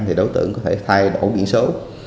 thì đối tượng có thể thay đổi biển số